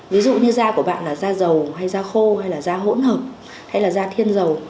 ví dụ như da của bạn là da dầu hay da khô hay là da hỗn hợp hay là da thiên dầu